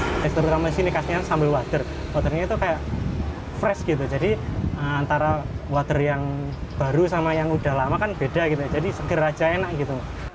teks terutama di sini khasnya sambal water waternya itu kayak fresh gitu jadi antara water yang baru sama yang udah lama kan beda gitu jadi seger aja enak gitu